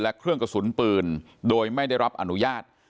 และเครื่องกระสุนปืนโดยไม่ได้รับอนุญาต